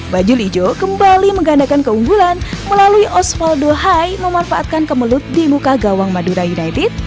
baju lijo kembali menggandakan keunggulan melalui osvaldo hai memanfaatkan kemelut di muka gawang madura united